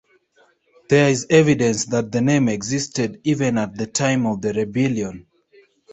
There is evidence that the name existed even at the time of the rebellion.